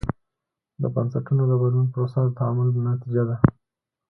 د بنسټونو د بدلون پروسه د تعامل نتیجه ده.